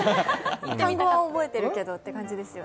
単語は覚えてるけどって感じですよね。